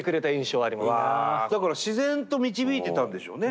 だから自然と導いてたんでしょうね